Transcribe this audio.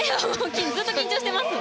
ずっと緊張してます。